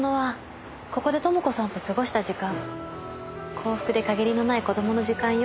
幸福でかげりのない子供の時間よ。